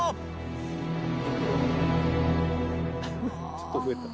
ちょっと増えた。